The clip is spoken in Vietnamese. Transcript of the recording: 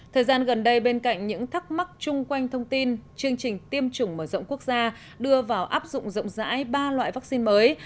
thời gian gần đây bên cạnh những thắc mắc chung quanh thông tin chương trình tiêm chủng mở rộng quốc gia đưa vào áp dụng rộng rãi ba loại vaccine mới